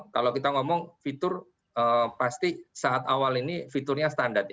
kalau kita ngomong fitur pasti saat awal ini fiturnya standar ya